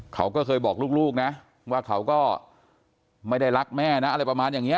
เขาก็เคยบอกลูกนะว่าเขาก็ไม่ได้รักแม่นะอะไรประมาณอย่างนี้